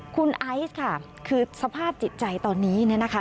คุณไอซ์ค่ะคือสภาพจิตใจตอนนี้เนี่ยนะคะ